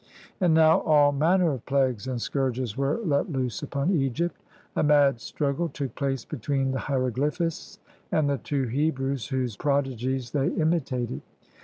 And now all manner of plagues and scourges were let loose upon Egypt; a mad struggle took place between the hieroglyphists and the two Hebrews, whose prodi gies they imitated.